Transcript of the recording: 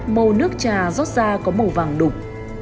màu nước trà rót ra có màu vàng đục